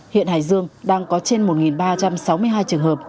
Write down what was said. hiện hải dương đang có trên một ba trăm sáu mươi hai trường hợp